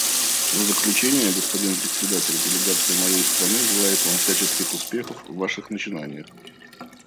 В заключение, господин Председатель, делегация моей страны желает Вам всяческих успехов в Ваших начинаниях.